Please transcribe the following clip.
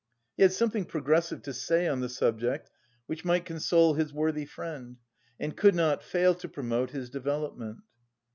He had something progressive to say on the subject which might console his worthy friend and "could not fail" to promote his development.